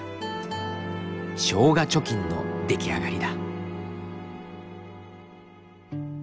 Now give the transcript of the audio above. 「しょうが貯金」の出来上がりだ。